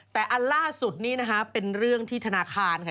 แต่อันล่าสุดนี่นะคะเป็นเรื่องที่ธนาคารค่ะ